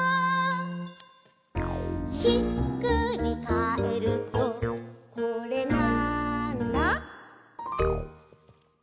「ひっくりかえるとこれ、なんだ？」